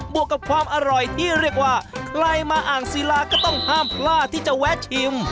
ตลับให้มาอ่างศิละก็ต้องห้ามล่าที่จะแว่ชิม